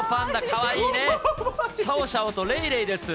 かわいいね、シャオシャオとレイレイです。